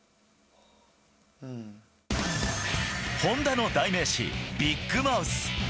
本田の代名詞、ビッグマウス。